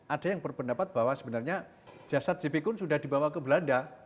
ada yang berpendapat bahwa sebenarnya jasad jp pun sudah dibawa ke belanda